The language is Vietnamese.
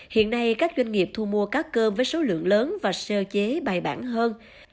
hiện nay các doanh nghiệp thu mua cá cơm với số lượng lớn và sơ chế bài bản hơn